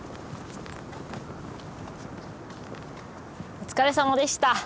お疲れさまでした。